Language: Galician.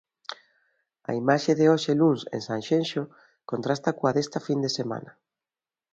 A imaxe de hoxe luns en Sanxenxo contrasta coa desta fin de semana.